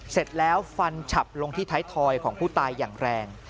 เสร็จแล้วฟันฉับลงที่ท้ายทอยของผู้ตายอย่างแรง